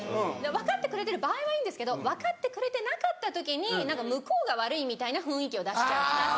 分かってくれてる場合はいいんですけど分かってくれてなかった時に向こうが悪いみたいな雰囲気を出しちゃう人。